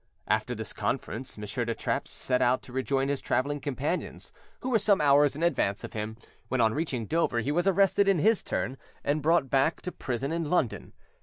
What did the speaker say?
After this conference, M. de Trappes set out to rejoin his travelling companions, who were some hours in advance of him, when, on reaching Dover he was arrested in his turn and brought hack to prison in London.